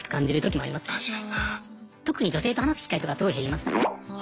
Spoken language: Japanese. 特に女性と話す機会とかすごい減りましたね。